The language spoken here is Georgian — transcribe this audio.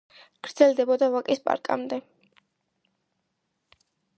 გრძელდებოდა ვაკის პარკამდე.